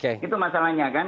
itu masalahnya kan